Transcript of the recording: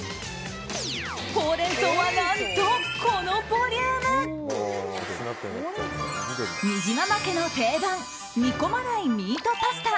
ホウレンソウは何と、このボリューム。にじまま家の定番煮込まないミートパスタ。